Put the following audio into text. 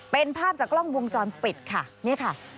เป็นภาพจากกล้องวงจรปิดค่ะนี่ค่ะ